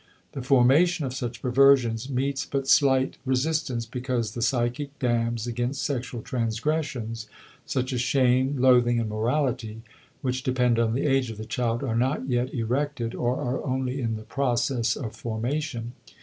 The formation of such perversions meets but slight resistance because the psychic dams against sexual transgressions, such as shame, loathing and morality which depend on the age of the child are not yet erected or are only in the process of formation.